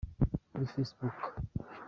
kuri Facebook.